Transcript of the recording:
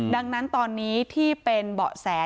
ดังนั้นตอนนี้ที่เป็นเบาะแส